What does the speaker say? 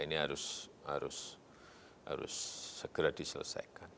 ini harus segera diselesaikan